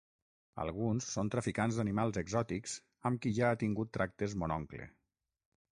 Alguns són traficants d'animals exòtics amb qui ja ha tingut tractes mon oncle.